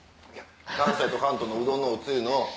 関西と関東のうどんのおつゆの。